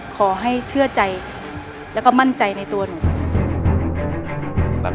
ขอให้เชื่อใจแล้วก็มั่นใจในตัวหนู